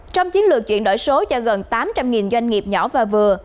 trong chiến lược chuyển đổi số cho gần tám trăm linh doanh nghiệp nhỏ và vừa